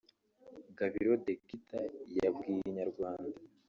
Gabiro The Guitar yabwiye Inyarwanda